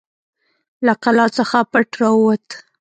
له قلا څخه پټ راووت.